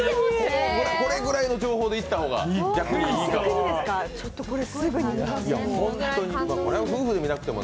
これぐらいの情報でいった方がいいかも。